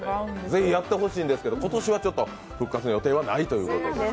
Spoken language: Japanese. ぜひやってほしいんですけれども、今年はちょっと復活の予定はないということです。